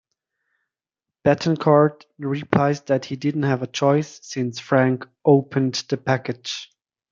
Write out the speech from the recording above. Bettencourt replies that he didn't have a choice, since Frank "opened the package".